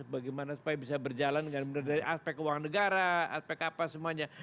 bagaimana supaya bisa berjalan dengan benar dari aspek keuangan negara aspek apa semuanya